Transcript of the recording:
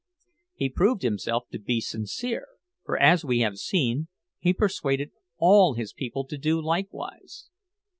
He proved himself to be sincere, for, as we have seen, he persuaded all his people to do likewise.